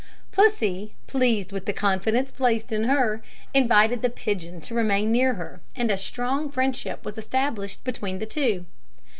Pussy, pleased with the confidence placed in her, invited the pigeon to remain near her, and a strong friendship was established between the two.